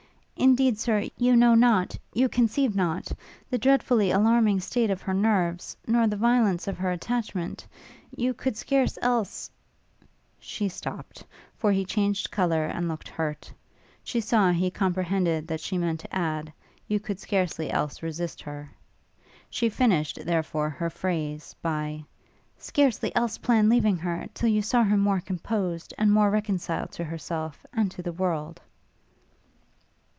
Indeed, Sir, you know not, you conceive not, the dreadfully alarming state of her nerves, nor the violence of her attachment. You could scarcely else ' she stopt, for he changed colour and looked hurt: she saw he comprehended that she meant to add, you could scarcely else resist her: she finished, therefore, her phrase, by 'scarcely else plan leaving her, till you saw her more composed, and more reconciled to herself, and to the world.'